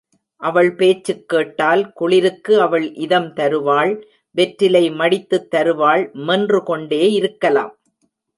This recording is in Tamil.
அவள் பேச்சுக் கேட்டால் குளிருக்கு அவள் இதம் தருவாள் வெற்றிலை மடித்துத் தருவாள் மென்று கொண்டே இருக்கலாம்.